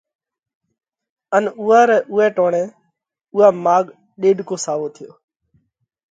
ان اُوئہ رئہ اُوئہ ٽوڻئہ اُوئا ماڳ ڏيڏڪو ساوو ٿيو۔